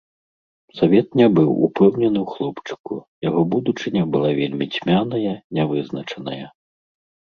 Савет не быў упэўнены ў хлопчыку, яго будучыня была вельмі цьмяная, не вызначаная.